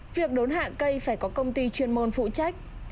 việc đốn hạ cây phải có công ty chuyên môn phụ trách